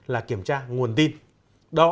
là kiểm tra nguồn tin đó